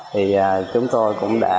thì chúng tôi cũng đã